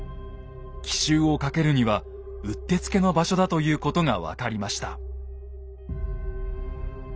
奇襲をかけるにはうってつけの場所だということが分かりました。